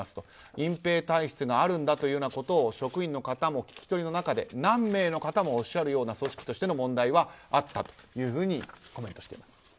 隠ぺい体質があるんだというようなことを職員の方も聞き取りの中で何名の方もおっしゃるような組織としての問題はあったというふうにコメントしています。